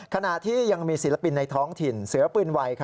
ขณะที่ยังมีศิลปินในท้องถิ่นเสือปืนไว